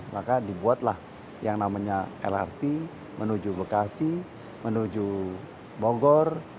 maka dibuatlah yang namanya lrt menuju bekasi menuju bogor